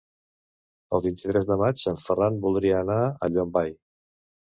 El vint-i-tres de maig en Ferran voldria anar a Llombai.